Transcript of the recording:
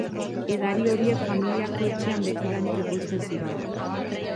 Edari horiek familiako etxean betidanik ekoizten ziren.